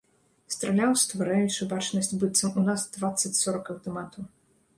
Страляў, ствараючы бачнасць быццам у нас дваццаць-сорак аўтаматаў.